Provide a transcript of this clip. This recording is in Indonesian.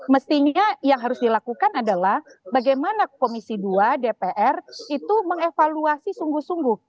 mestinya yang harus dilakukan adalah bagaimana komisi dua dpr itu mengevaluasi sungguh sungguh